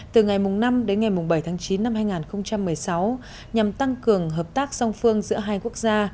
từ ngày năm đến ngày bảy tháng chín năm hai nghìn một mươi sáu nhằm tăng cường hợp tác song phương giữa hai quốc gia